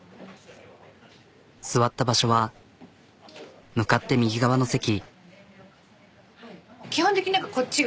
座った場所は向かって右側の席。